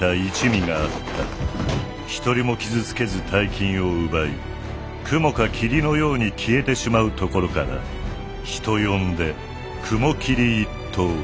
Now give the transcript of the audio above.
一人も傷つけず大金を奪い雲か霧のように消えてしまうところから人呼んで雲霧一党。